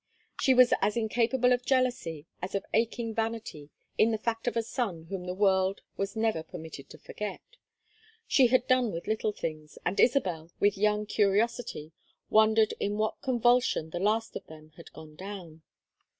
She was as incapable of jealousy as of aching vanity in the fact of a son whom the world was never permitted to forget. She had done with little things, and Isabel, with young curiosity, wondered in what convulsion the last of them had gone down.